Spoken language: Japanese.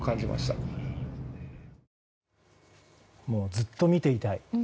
ずっと見ていたい。